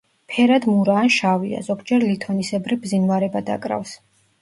ფერად მურა ან შავია, ზოგჯერ ლითონისებრი ბზინვარება დაკრავს.